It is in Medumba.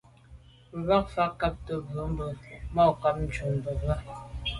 Bə̌k fə̀ mbə́ má ngǎtə̀' bû bá bə̌ má kòb ncúp bú mbə̄.